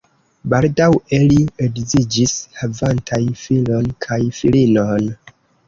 Baldaŭe li edziĝis, havantaj filon kaj filinon.